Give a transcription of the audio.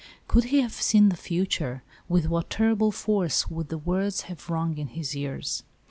Could he have seen the future, with what terrible force would the words have rung in his ears.